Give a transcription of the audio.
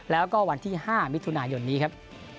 แล้วก็วันที่๕มิถุนายนนี้ครับ